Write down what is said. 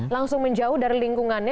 langsung menjauh dari lingkungannya